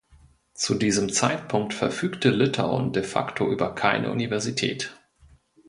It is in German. Zu diesem Zeitpunkt verfügte Litauen de facto über keine Universität.